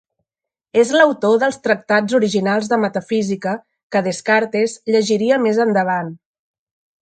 És l'autor dels tractats originals de metafísica, que Descartes llegiria més endavant.